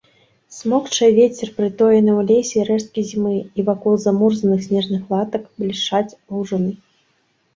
Смокча вецер прытоеныя ў лесе рэшткі зімы, і вакол замурзаных снежных латак блішчаць лужыны.